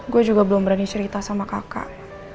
gue juga belum berani cerita sama kakak